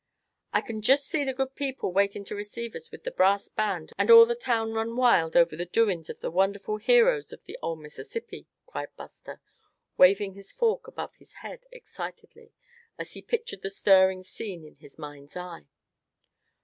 "I c'n just see the good people waitin' to receive us with the brass band, and all the town run wild over the doings of the wonderful heroes of the old Mississippi!" cried Buster, waving his fork above his head excitedly, as he pictured the stirring scene in his mind's eye.